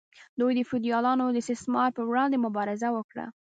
دوی د فیوډالانو د استثمار پر وړاندې مبارزه وکړه.